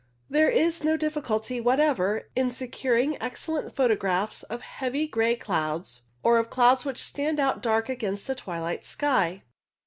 There is no difficulty whatever in securing excellent photographs of heavy grey clouds, or of clouds which stand out dark against a twilight sky.